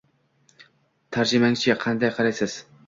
– Tarjimaga-chi, qanday qaraysiz?